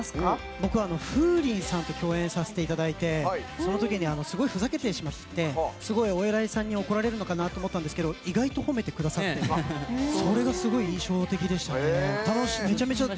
僕はＦｏｏｒｉｎさんと共演させていただいてそのときにすごいふざけてしまってすごいお偉いさんに怒られるのかなと思ったんですけど意外と褒めてくださって「紅白」だったよね。